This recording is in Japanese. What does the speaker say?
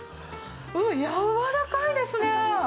やわらかいですね。